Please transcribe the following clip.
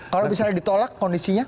kalau misalnya ditolak kondisinya